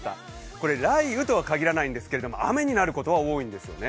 これ、雷雨とは限らないんですが雨になることが多いんですね。